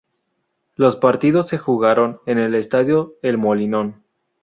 Los partidos se jugaron en el estadio El Molinón.